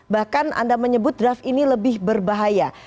bahkan anda menyebut draft ini lebih berbahaya